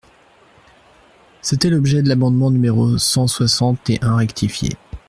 C’était l’objet de l’amendement numéro cent soixante et un rectifié.